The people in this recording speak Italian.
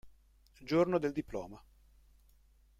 Giorno del diploma.